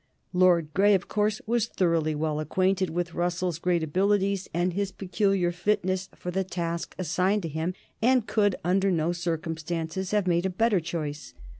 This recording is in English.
Lord Grey, of course, was thoroughly well acquainted with Russell's great abilities and his peculiar fitness for the task assigned to him, and could, under no circumstances, have made a better choice.